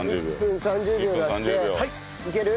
いける？